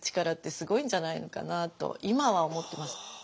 力ってすごいんじゃないのかなと今は思ってます。